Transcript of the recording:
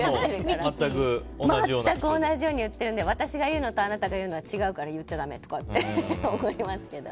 全く同じように言っているので私が言うのとあなたが言うのは違うから言っちゃだめとか言いますけど。